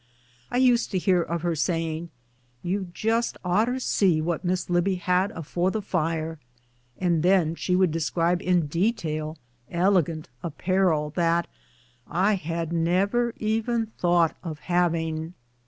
I used to hear of her saying, " You jist orter seed what Miss Libbie had afo' the fire ;" and then she would describe in detail elegant apparel that I had never even thought of having.